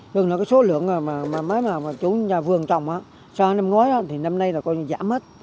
đường là số lượng mà chủ nhà vườn trồng sau năm ngối thì năm nay là có giảm hết